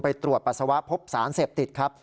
ตรวจปัสสาวะพบสารเสพติดครับ